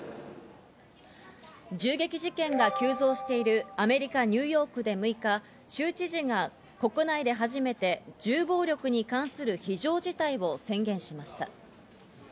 銃撃事件が急増しているアメリカ・ニューヨークで６日、州知事が国内で初めて銃暴力に関する非常事態を宣言しました。